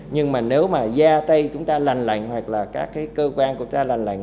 nhưng mà nếu mà da tay chúng ta lành lạnh hoặc là các cơ quan của ta lành lạnh